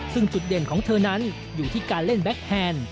ซึ่งจุดเด่นของเธอนั้นอยู่ที่การเล่นแบ็คแฮนด์